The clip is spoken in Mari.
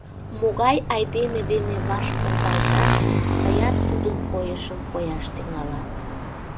Могай айдеме дене ваш кылдалтат, тыят тудын койышым кояш тӱҥалат.